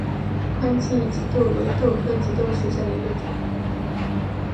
宽翼棘豆为豆科棘豆属下的一个种。